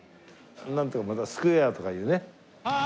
なんとかまたスクエアとかいうね。